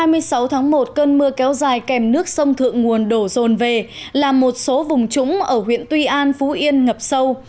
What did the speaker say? một cơn mưa kéo dài kèm nước sông thượng nguồn đổ rồn về làm một số vùng trúng ở huyện tuy an phú yên ngập sâu